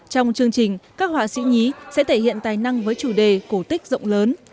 trong chương trình các họa sĩ nhí sẽ thể hiện tài năng với chủ đề cổ tích rộng lớn